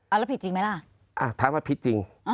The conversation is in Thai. อ่าแล้วพิษจริงไหมล่ะอ่าถามว่าพิษจริงอ่า